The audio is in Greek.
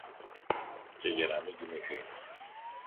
και για να μην κοιμηθεί